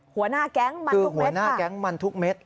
หัวหน้าแก๊งมันทุกเม็ดค่ะคือหัวหน้าแก๊งมันทุกเม็ด